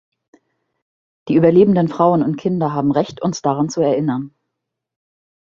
Die überlebenden Frauen und Kinder haben Recht, uns daran zu erinnern.